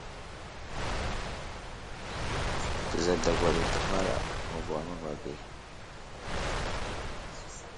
Bəza dagwa ɗi təhwal a mava ge.